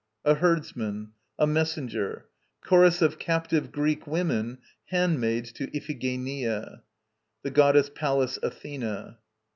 A HERDSMAN. A MESSENGER. CHORUS of Captive Greek Women, handmaids to Iphigenia. The Goddess PALLAS ATHENA.